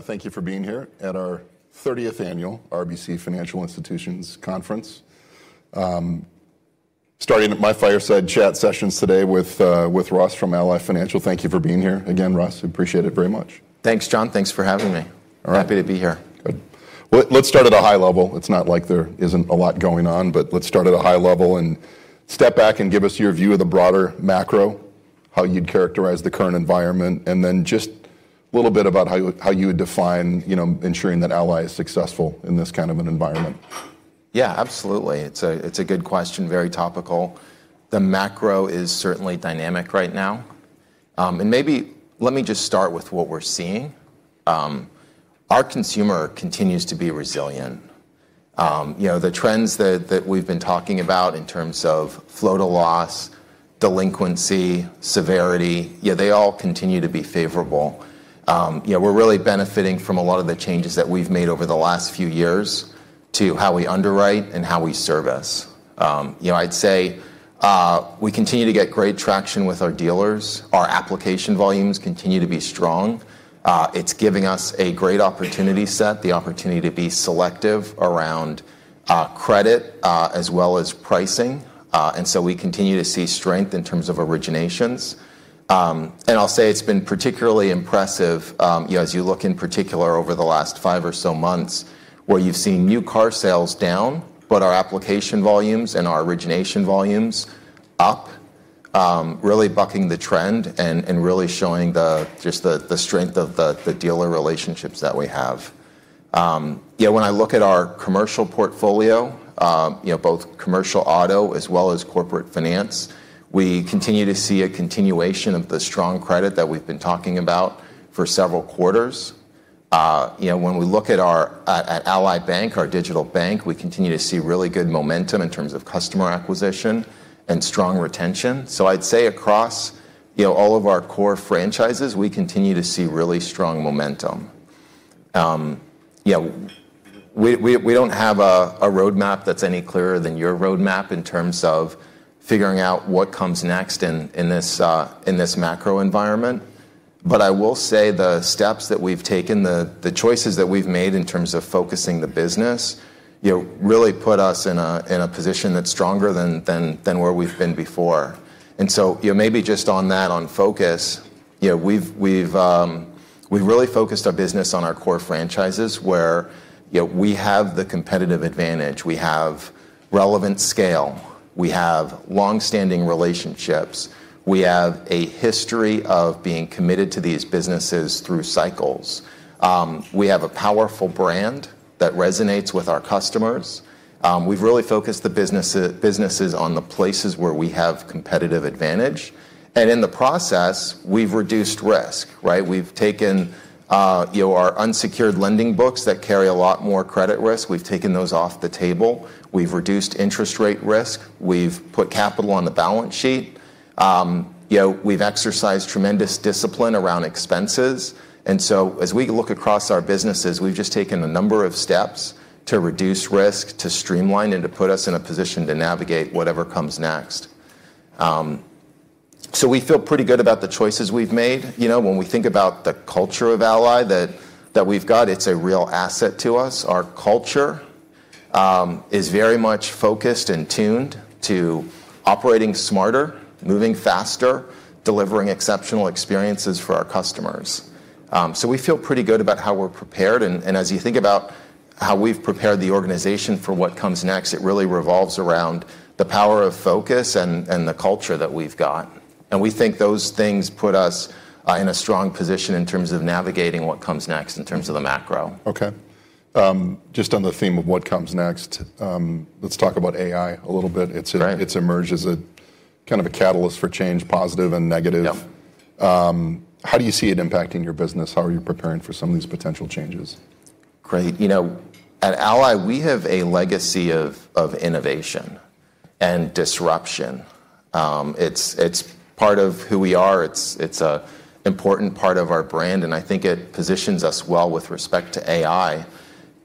Thank you for being here at our thirtieth annual RBC Financial Institutions Conference. Starting my fireside chat sessions today with Russ from Ally Financial. Thank you for being here again, Russ. Appreciate it very much. Thanks, Jon. Thanks for having me. All right. Happy to be here. Good. Well, let's start at a high level. It's not like there isn't a lot going on, but let's start at a high level and step back and give us your view of the broader macro, how you'd characterize the current environment, and then just a little bit about how you would define, you know, ensuring that Ally is successful in this kind of an environment. Yeah, absolutely. It's a good question. Very topical. The macro is certainly dynamic right now. Maybe let me just start with what we're seeing. Our consumer continues to be resilient. You know, the trends that we've been talking about in terms of flow to loss, delinquency, severity, yeah, they all continue to be favorable. You know, we're really benefiting from a lot of the changes that we've made over the last few years to how we underwrite and how we service. You know, I'd say we continue to get great traction with our dealers. Our application volumes continue to be strong. It's giving us a great opportunity set, the opportunity to be selective around credit, as well as pricing. We continue to see strength in terms of originations. I'll say it's been particularly impressive, you know, as you look in particular over the last five or so months where you've seen new car sales down, but our application volumes and our origination volumes up, really bucking the trend and really showing just the strength of the dealer relationships that we have. You know, when I look at our commercial portfolio, you know, both commercial auto as well as corporate finance, we continue to see a continuation of the strong credit that we've been talking about for several quarters. You know, when we look at our Ally Bank, our digital bank, we continue to see really good momentum in terms of customer acquisition and strong retention. I'd say across, you know, all of our core franchises, we continue to see really strong momentum. You know, we don't have a roadmap that's any clearer than your roadmap in terms of figuring out what comes next in this macro environment. I will say the steps that we've taken, the choices that we've made in terms of focusing the business, you know, really put us in a position that's stronger than where we've been before. You know, maybe just on that, on focus, you know, we've really focused our business on our core franchises where, you know, we have the competitive advantage, we have relevant scale, we have long-standing relationships, we have a history of being committed to these businesses through cycles. We have a powerful brand that resonates with our customers. We've really focused the businesses on the places where we have competitive advantage. In the process, we've reduced risk, right? We've taken, you know, our unsecured lending books that carry a lot more credit risk. We've taken those off the table. We've reduced interest rate risk. We've put capital on the balance sheet. You know, we've exercised tremendous discipline around expenses. As we look across our businesses, we've just taken a number of steps to reduce risk, to streamline, and to put us in a position to navigate whatever comes next. We feel pretty good about the choices we've made. You know, when we think about the culture of Ally that we've got, it's a real asset to us. Our culture is very much focused and tuned to operating smarter, moving faster, delivering exceptional experiences for our customers. We feel pretty good about how we're prepared. As you think about how we've prepared the organization for what comes next, it really revolves around the power of focus and the culture that we've got. We think those things put us in a strong position in terms of navigating what comes next in terms of the macro. Okay. Just on the theme of what comes next, let's talk about AI a little bit. Right. It's emerged as a kind of a catalyst for change, positive and negative. Yep. How do you see it impacting your business? How are you preparing for some of these potential changes? Great. You know, at Ally, we have a legacy of innovation and disruption. It's part of who we are. It's a important part of our brand, and I think it positions us well with respect to AI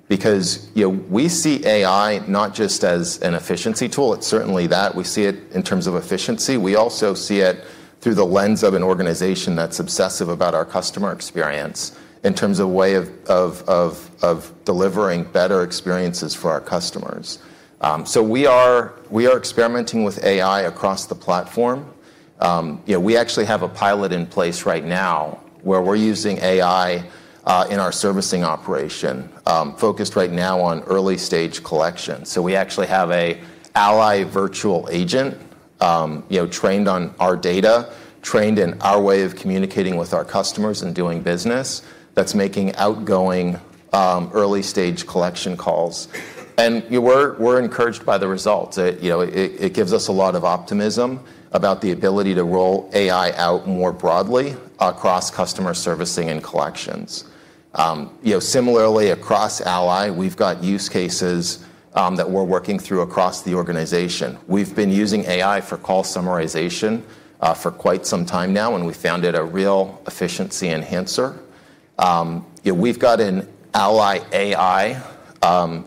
because, you know, we see AI not just as an efficiency tool. It's certainly that. We see it in terms of efficiency. We also see it through the lens of an organization that's obsessive about our customer experience in terms of way of delivering better experiences for our customers. We are experimenting with AI across the platform. You know, we actually have a pilot in place right now where we're using AI in our servicing operation, focused right now on early-stage collection. We actually have a Ally virtual agent, trained on our data, trained in our way of communicating with our customers and doing business that's making outgoing early-stage collection calls. We're encouraged by the results. It gives us a lot of optimism about the ability to roll AI out more broadly across customer servicing and collections. Similarly across Ally, we've got use cases that we're working through across the organization. We've been using AI for call summarization for quite some time now, and we found it a real efficiency enhancer. You know, we've got an Ally.ai, yeah,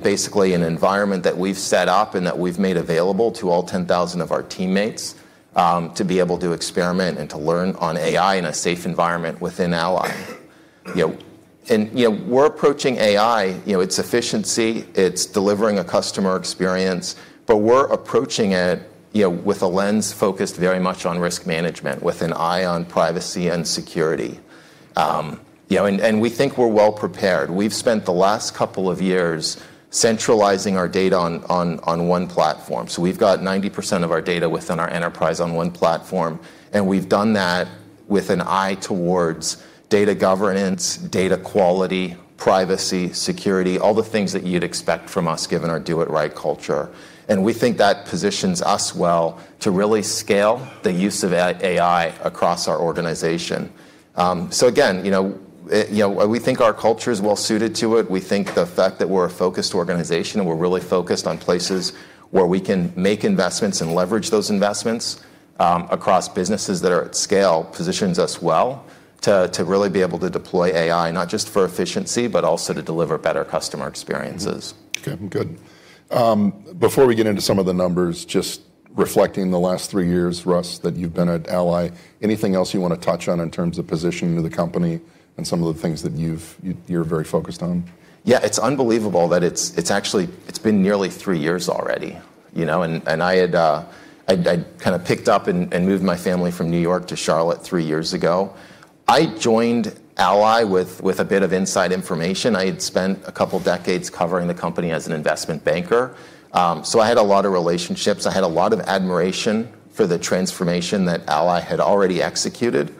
basically an environment that we've set up and that we've made available to all 10,000 of our teammates, to be able to experiment and to learn on AI in a safe environment within Ally. You know, we're approaching AI, you know, it's efficiency, it's delivering a customer experience, but we're approaching it, you know, with a lens focused very much on risk management, with an eye on privacy and security. You know, and we think we're well prepared. We've spent the last couple of years centralizing our data on one platform. So we've got 90% of our data within our enterprise on one platform, and we've done that with an eye towards data governance, data quality, privacy, security, all the things that you'd expect from us given our do-it-right culture. We think that positions us well to really scale the use of AI across our organization. Again, you know, you know, we think our culture is well-suited to it. We think the fact that we're a focused organization and we're really focused on places where we can make investments and leverage those investments across businesses that are at scale positions us well to really be able to deploy AI not just for efficiency, but also to deliver better customer experiences. Okay. Good. Before we get into some of the numbers, just reflecting the last three years, Russ, that you've been at Ally, anything else you want to touch on in terms of positioning the company and some of the things that you're very focused on? Yeah, it's unbelievable that it's been nearly three years already, you know. I kind of picked up and moved my family from New York to Charlotte three years ago. I joined Ally with a bit of inside information. I had spent a couple decades covering the company as an investment banker. So I had a lot of relationships. I had a lot of admiration for the transformation that Ally had already executed,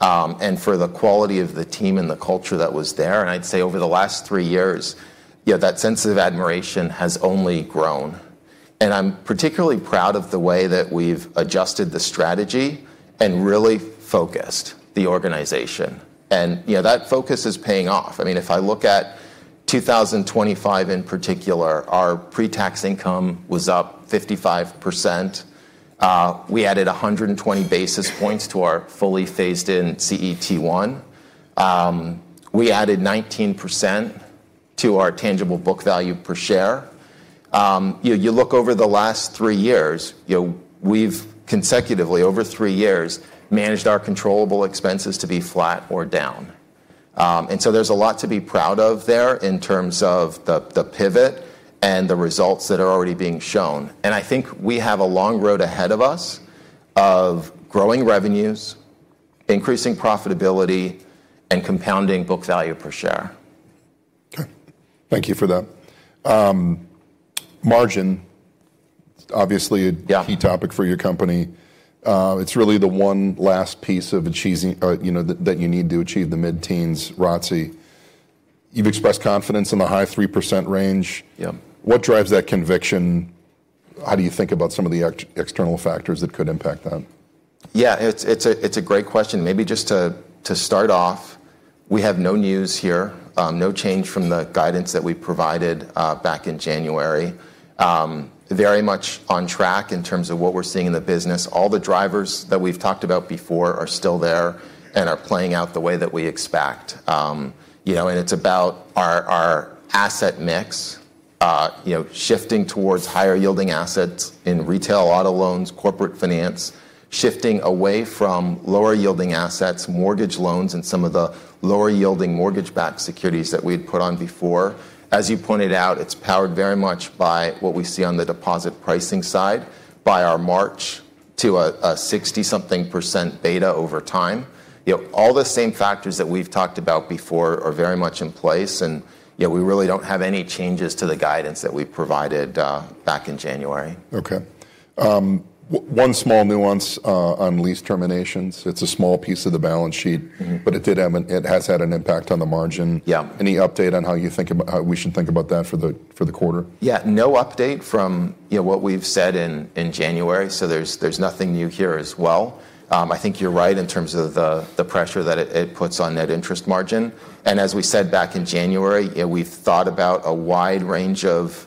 and for the quality of the team and the culture that was there. I'd say over the last three years, yeah, that sense of admiration has only grown. I'm particularly proud of the way that we've adjusted the strategy and really focused the organization. You know, that focus is paying off. I mean, if I look at 2025 in particular, our pre-tax income was up 55%. We added 120 basis points to our fully phased in CET1. We added 19% to our tangible book value per share. You look over the last three years, you know, we've consecutively, over three years, managed our controllable expenses to be flat or down. There's a lot to be proud of there in terms of the pivot and the results that are already being shown. I think we have a long road ahead of us of growing revenues, increasing profitability, and compounding book value per share. Okay. Thank you for that. Margin, obviously. Yeah... a key topic for your company. It's really the one last piece of achieving, you know, that you need to achieve the mid-teens ROTCE. You've expressed confidence in the high 3% range. Yeah. What drives that conviction? How do you think about some of the external factors that could impact that? Yeah, it's a great question. Maybe just to start off, we have no news here. No change from the guidance that we provided back in January. Very much on track in terms of what we're seeing in the business. All the drivers that we've talked about before are still there and are playing out the way that we expect. You know, it's about our asset mix, you know, shifting towards higher yielding assets in retail auto loans, Corporate Finance, shifting away from lower yielding assets, mortgage loans, and some of the lower yielding Mortgage-Backed Securities that we'd put on before. As you pointed out, it's powered very much by what we see on the deposit pricing side by our march to a 60-something% beta over time. You know, all the same factors that we've talked about before are very much in place, and, you know, we really don't have any changes to the guidance that we provided back in January. Okay. One small nuance on lease terminations. It's a small piece of the balance sheet. Mm-hmm It has had an impact on the margin. Yeah. Any update on how we should think about that for the quarter? Yeah. No update from, you know, what we've said in January, so there's nothing new here as well. I think you're right in terms of the pressure that it puts on Net Interest Margin. As we said back in January, you know, we've thought about a wide range of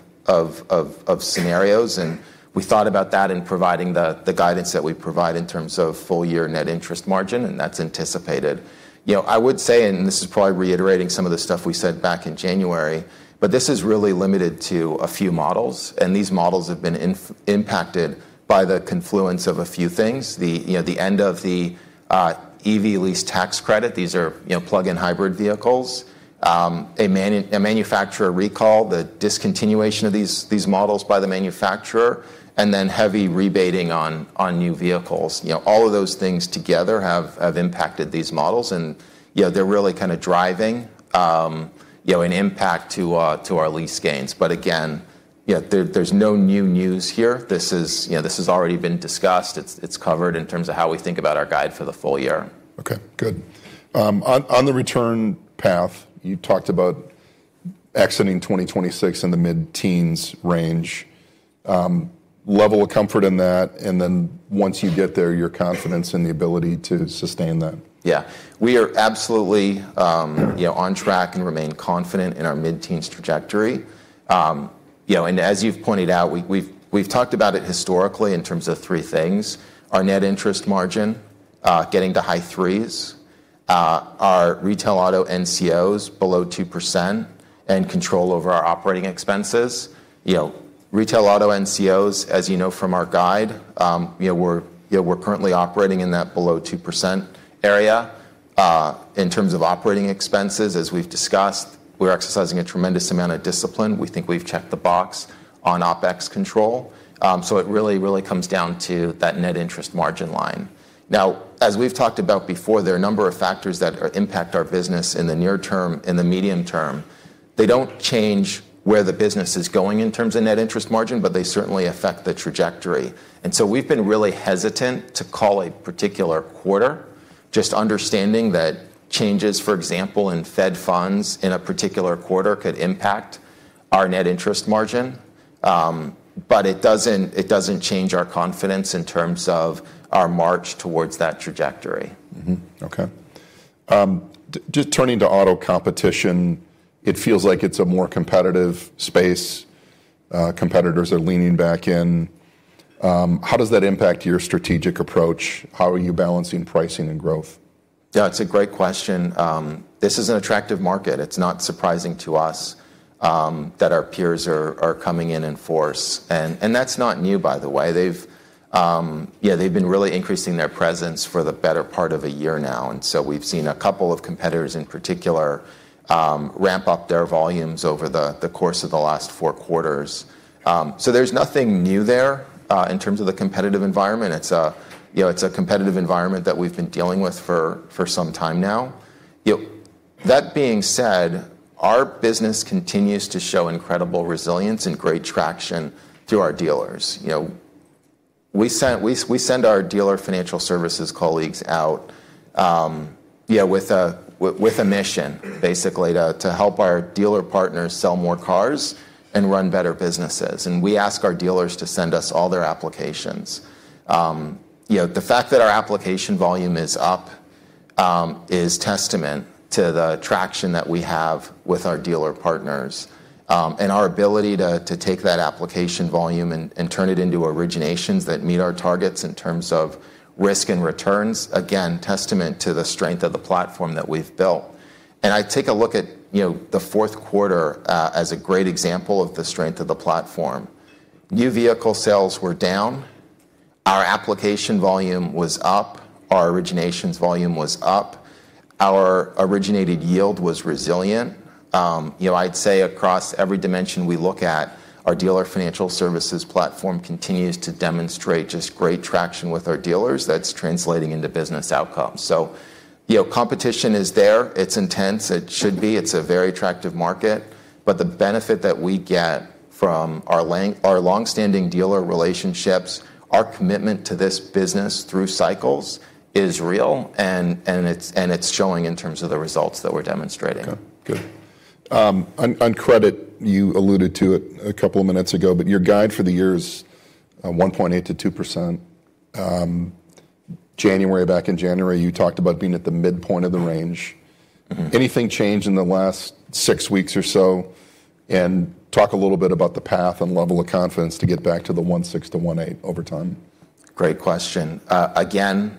scenarios, and we thought about that in providing the guidance that we provide in terms of full-year Net Interest Margin, and that's anticipated. You know, I would say, and this is probably reiterating some of the stuff we said back in January, but this is really limited to a few models, and these models have been impacted by the confluence of a few things. You know, the end of the EV lease tax credit. These are, you know, plug-in hybrid vehicles. A manufacturer recall, the discontinuation of these models by the manufacturer, and then heavy rebating on new vehicles. You know, all of those things together have impacted these models. You know, they're really kind of driving an impact to our lease gains. Again, you know, there's no new news here. This is, you know, this has already been discussed. It's covered in terms of how we think about our guide for the full year. On the return path, you talked about exiting 2026 in the mid-teens range. Level of comfort in that, and then once you get there, your confidence in the ability to sustain that. Yeah. We are absolutely, you know, on track and remain confident in our mid-teens trajectory. You know, as you've pointed out, we've talked about it historically in terms of three things, our net interest margin getting to high threes, our retail auto NCOs below 2% and control over our operating expenses. You know, retail auto NCOs, as you know from our guide, you know, we're currently operating in that below 2% area. In terms of operating expenses, as we've discussed, we're exercising a tremendous amount of discipline. We think we've checked the box on OpEx control. It really comes down to that net interest margin line. Now, as we've talked about before, there are a number of factors that impact our business in the near term and the medium term. They don't change where the business is going in terms of Net Interest Margin, but they certainly affect the trajectory. We've been really hesitant to call a particular quarter, just understanding that changes, for example, in Fed funds in a particular quarter could impact our Net Interest Margin. It doesn't change our confidence in terms of our march towards that trajectory. Okay. Just turning to auto competition, it feels like it's a more competitive space. Competitors are leaning back in. How does that impact your strategic approach? How are you balancing pricing and growth? Yeah, it's a great question. This is an attractive market. It's not surprising to us that our peers are coming in in force. That's not new, by the way. They've been really increasing their presence for the better part of a year now, and we've seen a couple of competitors in particular ramp up their volumes over the course of the last four quarters. There's nothing new there in terms of the competitive environment. It's a competitive environment that we've been dealing with for some time now. That being said, our business continues to show incredible resilience and great traction through our dealers. You know, we send our Dealer Financial Services colleagues out with a mission, basically, to help our dealer partners sell more cars and run better businesses. We ask our dealers to send us all their applications. You know, the fact that our application volume is up is testament to the traction that we have with our dealer partners. Our ability to take that application volume and turn it into originations that meet our targets in terms of risk and returns, again, testament to the strength of the platform that we've built. I take a look at, you know, the fourth quarter as a great example of the strength of the platform. New vehicle sales were down. Our application volume was up. Our originations volume was up. Our originated yield was resilient. You know, I'd say across every dimension we look at, our Dealer Financial Services platform continues to demonstrate just great traction with our dealers, that's translating into business outcomes. You know, competition is there. It's intense. It should be. It's a very attractive market. The benefit that we get from our long-standing dealer relationships, our commitment to this business through cycles is real, and it's showing in terms of the results that we're demonstrating. Okay. Good. On credit, you alluded to it a couple of minutes ago, but your guide for the year is 1.8%-2%. January, back in January, you talked about being at the midpoint of the range. Mm-hmm. Anything change in the last six weeks or so? Talk a little bit about the path and level of confidence to get back to the 1.6-1.8 over time. Great question. Again,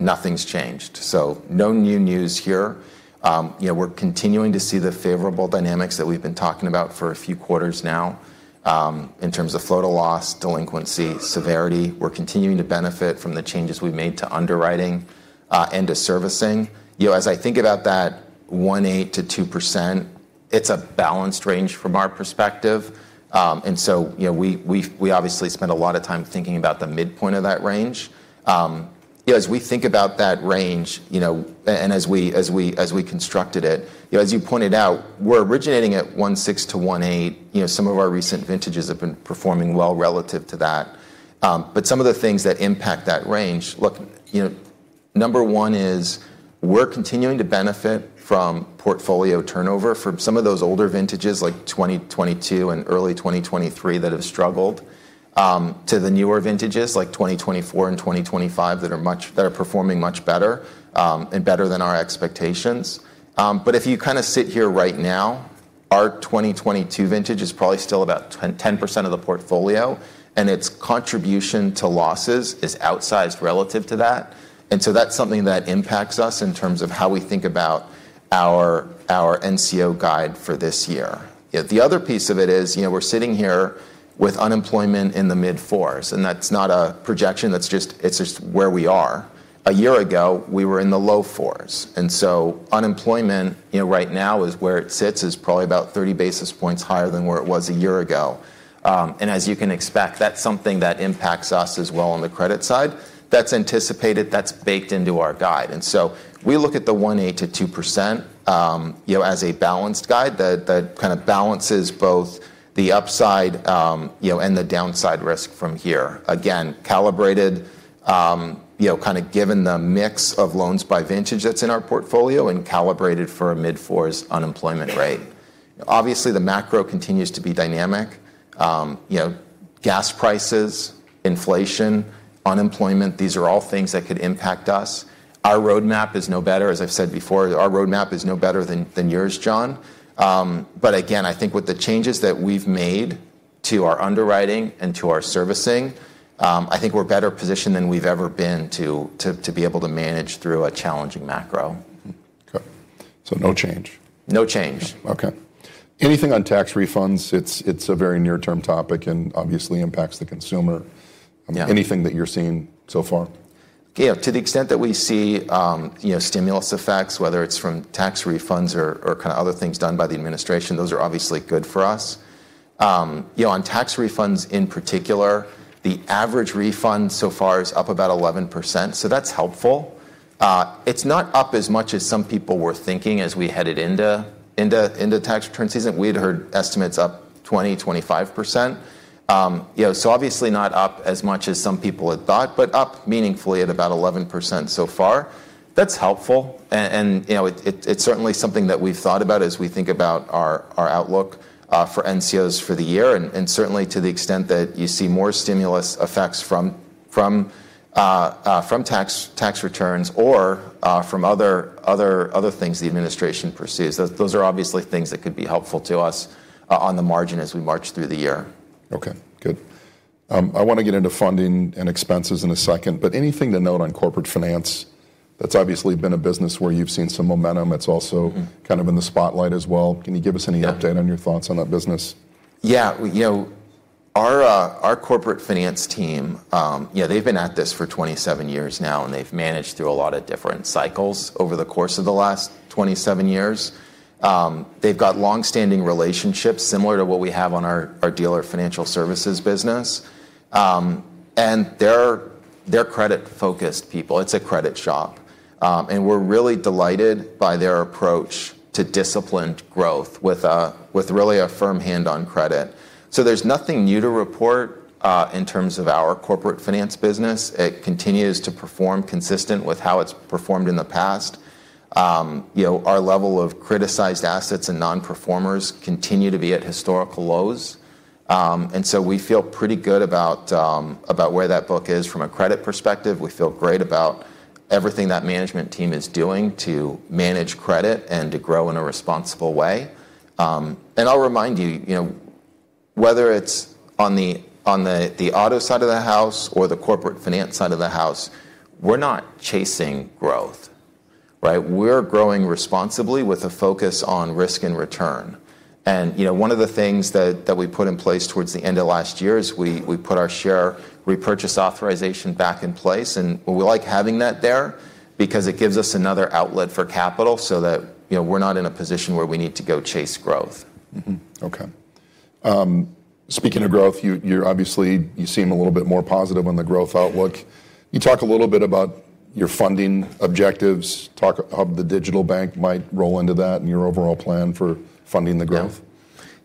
nothing's changed, so no new news here. You know, we're continuing to see the favorable dynamics that we've been talking about for a few quarters now, in terms of flow to loss, delinquency, severity. We're continuing to benefit from the changes we've made to underwriting and to servicing. You know, as I think about that 1.8%-2%, it's a balanced range from our perspective. You know, we obviously spend a lot of time thinking about the midpoint of that range. You know, as we think about that range, and as we constructed it, you know, as you pointed out, we're originating at 1.6%-1.8%. You know, some of our recent vintages have been performing well relative to that. Some of the things that impact that range, look, you know, number one is we're continuing to benefit from portfolio turnover from some of those older vintages like 2022 and early 2023 that have struggled to the newer vintages like 2024 and 2025 that are performing much better and better than our expectations. If you kind of sit here right now, our 2022 vintage is probably still about 10% of the portfolio, and its contribution to losses is outsized relative to that. That's something that impacts us in terms of how we think about our NCO guide for this year. You know, the other piece of it is, you know, we're sitting here with unemployment in the mid-fours, and that's not a projection, that's just where we are. A year ago, we were in the low 4s, and so unemployment, you know, right now is where it sits, is probably about 30 basis points higher than where it was a year ago. As you can expect, that's something that impacts us as well on the credit side. That's anticipated. That's baked into our guide. We look at the 1.8-2% you know as a balanced guide that kind of balances both the upside you know and the downside risk from here. Again, calibrated you know kind of given the mix of loans by vintage that's in our portfolio and calibrated for a mid-4s unemployment rate. Obviously, the macro continues to be dynamic. You know, gas prices, inflation, unemployment, these are all things that could impact us. Our roadmap is no better, as I've said before, our roadmap is no better than yours, Jon. Again, I think with the changes that we've made to our underwriting and to our servicing, I think we're better positioned than we've ever been to be able to manage through a challenging macro. Okay. No change? No change. Okay. Anything on tax refunds? It's a very near-term topic and obviously impacts the consumer. Yeah. Anything that you're seeing so far? Yeah, to the extent that we see, you know, stimulus effects, whether it's from tax refunds or kind of other things done by the administration, those are obviously good for us. You know, on tax refunds in particular, the average refund so far is up about 11%, so that's helpful. It's not up as much as some people were thinking as we headed into tax return season. We'd heard estimates up 20-25%. You know, so obviously not up as much as some people had thought, but up meaningfully at about 11% so far. That's helpful, and you know, it's certainly something that we've thought about as we think about our outlook for NCOs for the year. Certainly to the extent that you see more stimulus effects from tax returns or from other things the administration pursues. Those are obviously things that could be helpful to us on the margin as we march through the year. Okay. Good. I want to get into funding and expenses in a second. Anything to note on Corporate Finance? That's obviously been a business where you've seen some momentum. It's also. Mm-hmm kind of in the spotlight as well. Can you give us any update? Yeah on your thoughts on that business? Yeah. You know, our Corporate Finance team, yeah, they've been at this for 27 years now, and they've managed through a lot of different cycles over the course of the last 27 years. They've got longstanding relationships similar to what we have on our Dealer Financial Services business. They're credit-focused people. It's a credit shop. We're really delighted by their approach to disciplined growth with really a firm hand on credit. There's nothing new to report in terms of our Corporate Finance business. It continues to perform consistent with how it's performed in the past. You know, our level of criticized assets and non-performers continue to be at historical lows. We feel pretty good about where that book is from a credit perspective. We feel great about everything that management team is doing to manage credit and to grow in a responsible way. I'll remind you know, whether it's on the auto side of the house or the Corporate Finance side of the house, we're not chasing growth, right? We're growing responsibly with a focus on risk and return. You know, one of the things that we put in place towards the end of last year is we put our share repurchase authorization back in place. We like having that there because it gives us another outlet for capital so that, you know, we're not in a position where we need to go chase growth. Speaking of growth, you're obviously, you seem a little bit more positive on the growth outlook. Can you talk a little bit about your funding objectives, talk about how the digital bank might roll into that and your overall plan for funding the growth?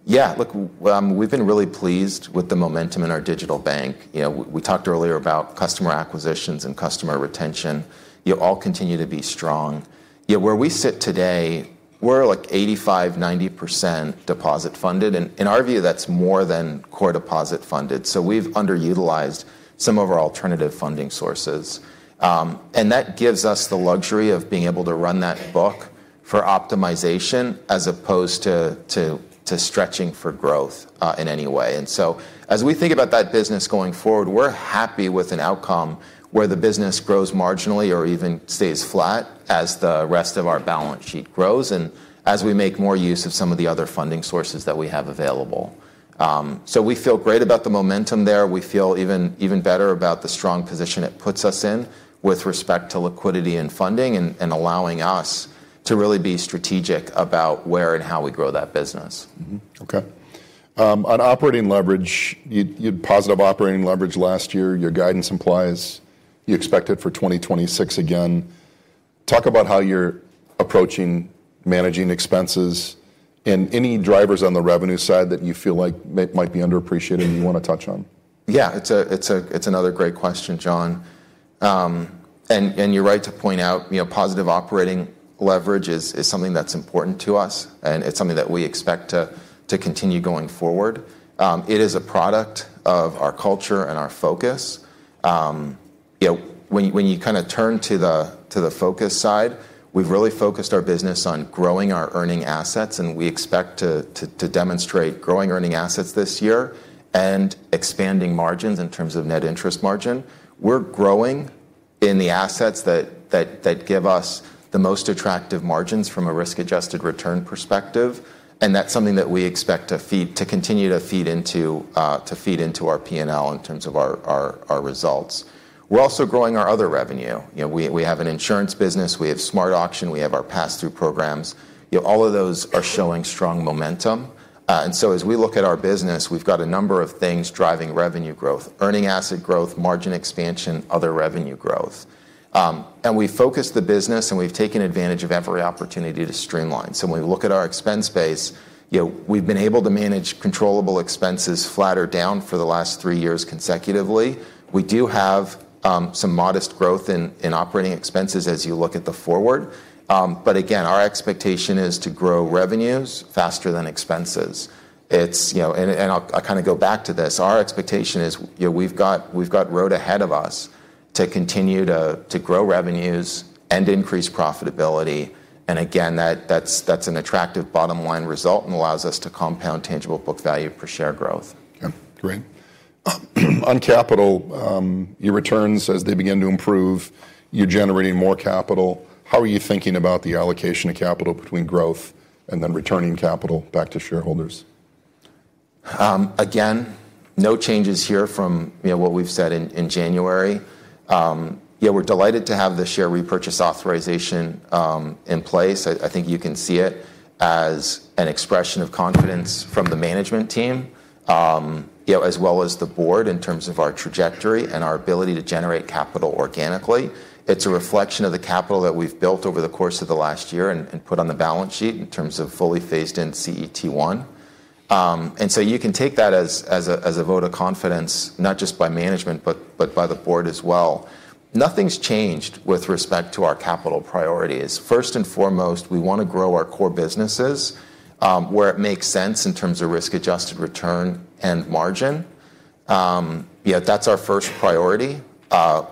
Yeah. Look, we've been really pleased with the momentum in our digital bank. You know, we talked earlier about customer acquisitions and customer retention. You all continue to be strong. You know, where we sit today, we're like 85%-90% deposit funded. In our view, that's more than core deposit funded. We've underutilized some of our alternative funding sources. And that gives us the luxury of being able to run that book for optimization as opposed to to stretching for growth in any way. As we think about that business going forward, we're happy with an outcome where the business grows marginally or even stays flat as the rest of our balance sheet grows and as we make more use of some of the other funding sources that we have available. We feel great about the momentum there. We feel even better about the strong position it puts us in with respect to liquidity and funding and allowing us to really be strategic about where and how we grow that business. Okay. On operating leverage, you had positive operating leverage last year. Your guidance implies you expect it for 2026 again. Talk about how you're approaching managing expenses and any drivers on the revenue side that you feel like might be underappreciated and you want to touch on. Yeah, it's another great question, Jon. You're right to point out, you know, positive operating leverage is something that's important to us, and it's something that we expect to continue going forward. It is a product of our culture and our focus. You know, when you kinda turn to the focus side, we've really focused our business on growing our earning assets, and we expect to demonstrate growing earning assets this year and expanding margins in terms of Net Interest Margin. We're growing in the assets that give us the most attractive margins from a risk-adjusted return perspective, and that's something that we expect to continue to feed into our P&L in terms of our results. We're also growing our other revenue. You know, we have an insurance business. We have SmartAuction. We have our pass-through programs. You know, all of those are showing strong momentum. As we look at our business, we've got a number of things driving revenue growth, earning asset growth, margin expansion, other revenue growth. We focus the business, and we've taken advantage of every opportunity to streamline. When we look at our expense base, you know, we've been able to manage controllable expenses flat or down for the last three years consecutively. We do have some modest growth in operating expenses as you look at the forward. Again, our expectation is to grow revenues faster than expenses. It's, you know, I'll kind of go back to this. Our expectation is, you know, we've got road ahead of us to continue to grow revenues and increase profitability. Again, that's an attractive bottom line result, and allows us to compound tangible book value per share growth. Okay. Great. On capital, your returns as they begin to improve, you're generating more capital. How are you thinking about the allocation of capital between growth and then returning capital back to shareholders? Again, no changes here from, you know, what we've said in January. Yeah, we're delighted to have the share repurchase authorization in place. I think you can see it as an expression of confidence from the management team, you know, as well as the board in terms of our trajectory and our ability to generate capital organically. It's a reflection of the capital that we've built over the course of the last year, and put on the balance sheet in terms of fully phased in CET1. You can take that as a vote of confidence, not just by management, but by the board as well. Nothing's changed with respect to our capital priorities. First and foremost, we wanna grow our core businesses, where it makes sense in terms of risk-adjusted return and margin. Yeah, that's our first priority.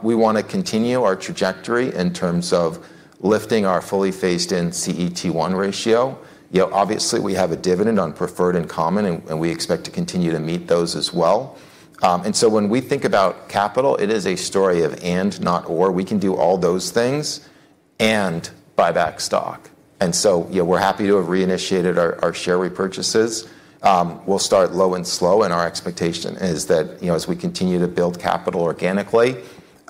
We wanna continue our trajectory in terms of lifting our fully phased in CET1 ratio. You know, obviously we have a dividend on preferred and common, and we expect to continue to meet those as well. When we think about capital, it is a story of and not or. We can do all those things and buy back stock. You know, we're happy to have reinitiated our share repurchases. We'll start low and slow, and our expectation is that, you know, as we continue to build capital organically,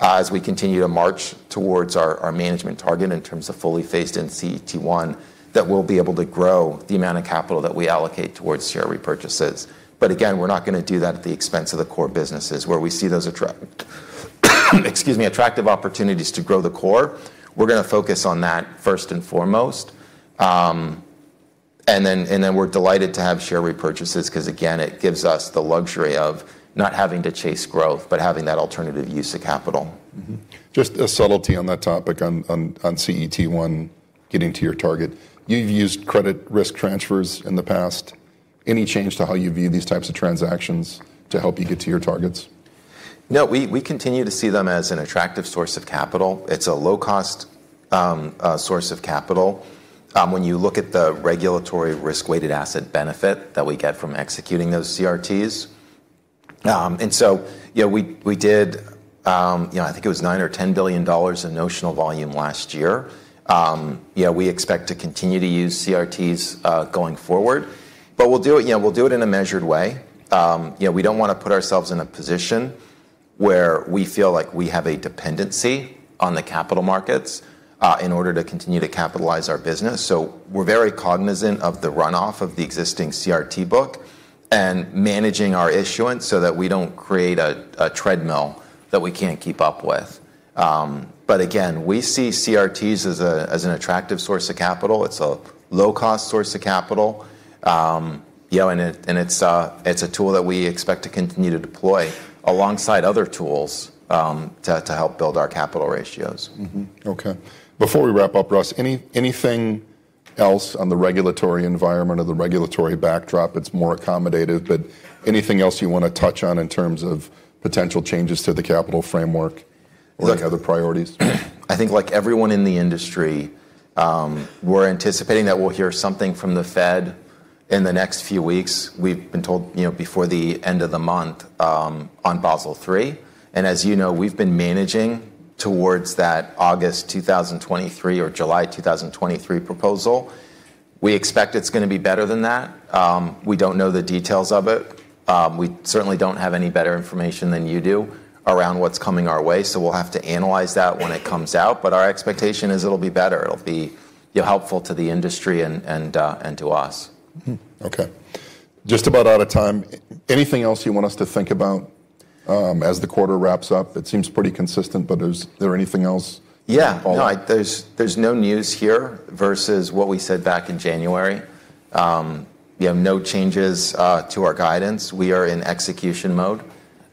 as we continue to march towards our management target in terms of fully phased in CET1, that we'll be able to grow the amount of capital that we allocate towards share repurchases. Again, we're not gonna do that at the expense of the core businesses. Where we see those attractive opportunities to grow the core, we're gonna focus on that first and foremost. We're delighted to have share repurchases, 'cause again, it gives us the luxury of not having to chase growth, but having that alternative use of capital. Just a subtlety on that topic on CET1, getting to your target. You've used credit risk transfers in the past. Any change to how you view these types of transactions to help you get to your targets? No, we continue to see them as an attractive source of capital. It's a low cost source of capital when you look at the regulatory Risk-Weighted Asset benefit that we get from executing those CRTs. You know, we did, you know, I think it was $9-$10 billion in notional volume last year. You know, we expect to continue to use CRTs going forward. We'll do it, you know, in a measured way. You know, we don't wanna put ourselves in a position where we feel like we have a dependency on the capital markets in order to continue to capitalize our business. We're very cognizant of the runoff of the existing CRT book, and managing our issuance so that we don't create a treadmill that we can't keep up with. Again, we see CRTs as an attractive source of capital. It's a low cost source of capital. You know, it's a tool that we expect to continue to deploy alongside other tools, to help build our capital ratios. Before we wrap up, Russ, anything else on the regulatory environment or the regulatory backdrop that's more accommodative? Anything else you wanna touch on in terms of potential changes to the capital framework? Look- Any other priorities? I think like everyone in the industry, we're anticipating that we'll hear something from the Fed in the next few weeks. We've been told, you know, before the end of the month, on Basel III. As you know, we've been managing towards that August 2023 or July 2023 proposal. We expect it's gonna be better than that. We don't know the details of it. We certainly don't have any better information than you do around what's coming our way, so we'll have to analyze that when it comes out. Our expectation is it'll be better. It'll be, you know, helpful to the industry and to us. Okay. Just about out of time. Anything else you want us to think about, as the quarter wraps up? It seems pretty consistent, but is there anything else? Yeah all like No. There's no news here versus what we said back in January. Yeah, no changes to our guidance. We are in execution mode.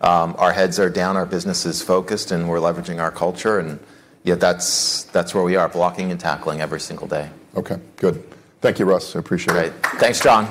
Our heads are down, our business is focused, and we're leveraging our culture, and yeah, that's where we are. Blocking and tackling every single day. Okay. Good. Thank you, Russ. I appreciate it. Great. Thanks, Jon.